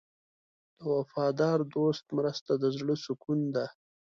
د وفادار دوست مرسته د زړه سکون ده.